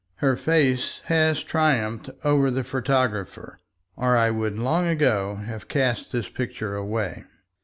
Her face has triumphed over the photographer—or I would long ago have cast this picture away.